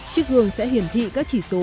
chiếc gương sẽ hiển thị các chỉ số